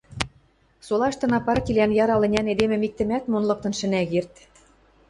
Солаштына партилӓн ярал ӹнян эдемӹм иктӹмӓт мон лыктын шӹнӓ керд.